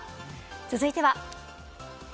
続いては。